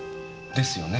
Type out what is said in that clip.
ですよね。